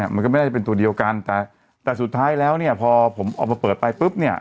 มันก็ไม่น่าจะเป็นตัวเดียวกันแต่แต่สุดท้ายแล้วเนี่ยพอผมออกมาเปิดไปปุ๊บเนี่ย